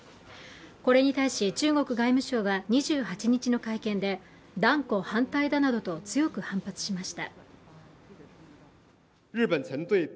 これに対し中国外務省は２８日の会見で、断固反対だなどと強く反発しました。